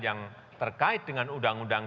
yang terkait dengan undang undang